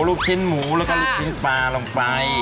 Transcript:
ลูกชิ้นหมูตอนนั้นลูกชิ้นปลาลงไป